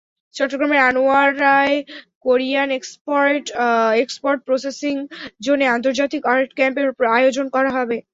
চট্টগ্রামের আনোয়ারায় Korean export processing জোনে আন্তর্জাতিক আর্ট ক্যাম্পের আয়োজন করা হবে।